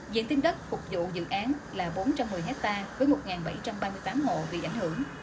diện tích đất phục vụ dự án là bốn trăm một mươi hectare với một bảy trăm ba mươi tám hộ bị ảnh hưởng